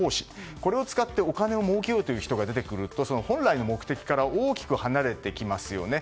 これを使ってお金をもうけようという人が出てくると本来の目的から大きく離れていきますよね。